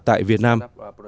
tại việt nam